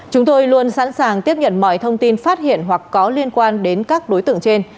chúng tôi luôn sẵn sàng tiếp nhận mọi thông tin phát hiện hoặc có liên quan đến các đối tượng trên